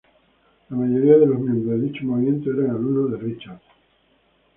La mayoría de los miembros de dicho movimiento eran alumnos de Richards.